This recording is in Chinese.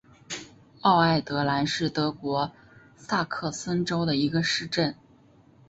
奥埃德兰是德国萨克森州的一个市镇。